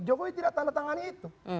jokowi tidak tanda tangannya itu